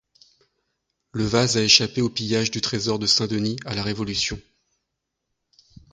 Le vase a échappé au pillage du trésor de Saint-Denis à la Révolution.